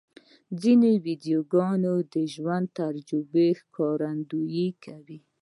ځینې ویډیوګانې د ژوند د تجربو ښکارندویي کوي.